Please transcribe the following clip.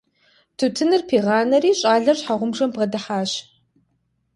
Тутыныр пигъанэри, щIалэр щхьэгъубжэм бгъэдыхьащ.